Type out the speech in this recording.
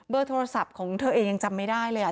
โทรศัพท์ของเธอเองยังจำไม่ได้เลย